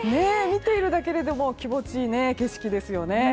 見ているだけで気持ちいい景色ですよね。